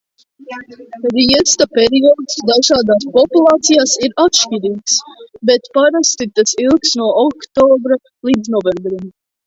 Riesta periods dažādās populācijās ir atšķirīgs, bet parasti tas ilgst no oktobra līdz novembrim.